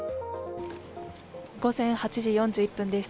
午前８時４１分です。